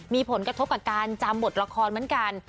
มีผลกระทบกับการจำบทละครเหมือนกัน